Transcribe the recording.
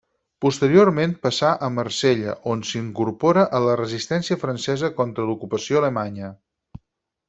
Posteriorment passà a Marsella, on s'incorpora a la Resistència francesa contra l'ocupació alemanya.